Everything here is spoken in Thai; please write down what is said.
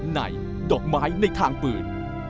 ดอกไม้ในทางปืน